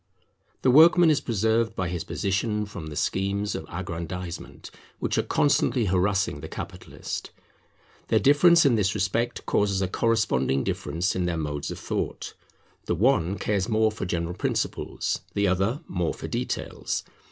The workman is preserved by his position from the schemes of aggrandisement, which are constantly harassing the capitalist. Their difference in this respect causes a corresponding difference in their modes of thought; the one cares more for general principles, the other more for details.